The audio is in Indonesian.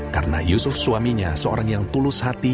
karena yusuf suaminya seorang yang tulus hati